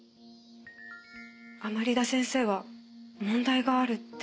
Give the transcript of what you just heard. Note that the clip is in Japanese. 甘利田先生は問題があるって。